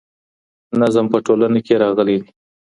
نظم په ټولنه کي راغلی دی.